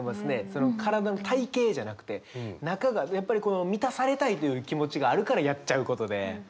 その体の体形じゃなくて中がやっぱりこの満たされたいという気持ちがあるからやっちゃうことで。